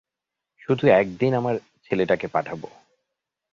শুধু একদিন আমার ছেলেটাকে পাঠাব।